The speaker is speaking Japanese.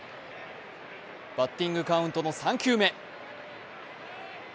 バッティングカウントの３球目。